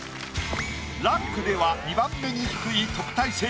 ランクでは２番目に低い特待生